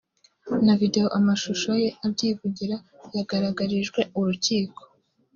na video (amashusho) ye abyivugira yagaragarijwe urukiko